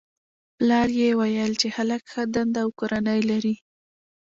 پلار یې ویل چې هلک ښه دنده او کورنۍ لري